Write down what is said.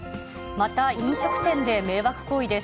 また飲食店で迷惑行為です。